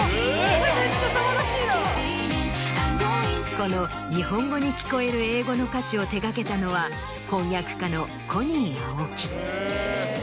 この日本語に聞こえる英語の歌詞を手掛けたのは翻訳家のＫｏｎｎｉｅＡｏｋｉ。